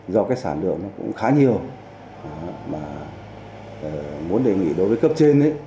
do cái sản lượng nó cũng khá nhiều mà muốn đề nghị đối với cấp trên